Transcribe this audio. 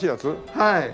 はい。